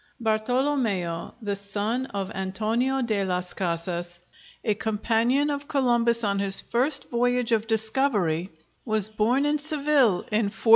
Bartolomeo, the son of Antonio de las Casas, a companion of Columbus on his first voyage of discovery, was born in Seville in 1474.